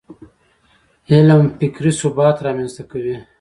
علم فکري ثبات رامنځته کوي.